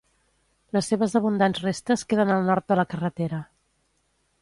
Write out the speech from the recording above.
Les seves abundants restes queden al nord de la carretera.